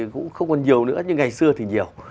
cũng không còn nhiều nữa nhưng ngày xưa thì nhiều